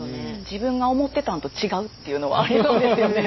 自分が思ってたんと違うっていうのはありそうですよね。